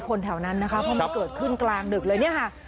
เป็นเวลามีคนแถวนั้นนะคะเพราะเครือดขืนกลางดึกเลยค่ะ